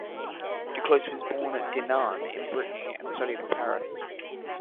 Duclos was born at Dinan in Brittany and studied at Paris.